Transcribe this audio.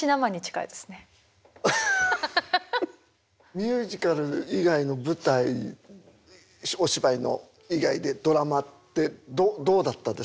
ミュージカル以外の舞台お芝居の以外でドラマってどうだったですか？